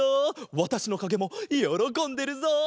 わたしのかげもよろこんでるぞ！